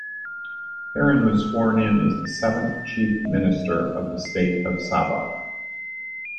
Pairin was sworn in as the seventh Chief Minister of the state of Sabah.